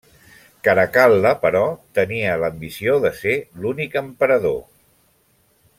Caracal·la, però, tenia l'ambició de ser l'únic emperador.